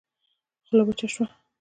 خوله يې وچه شوه.